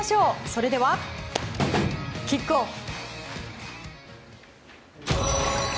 それでは、キックオフ！